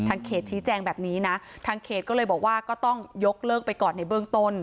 เขตชี้แจงแบบนี้นะทางเขตก็เลยบอกว่าก็ต้องยกเลิกไปก่อนในเบื้องต้น